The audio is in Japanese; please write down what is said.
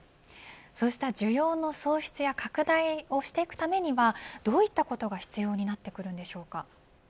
そうした需要の創出や拡大をしていくためにはどういったことが必要になるんでしょうか。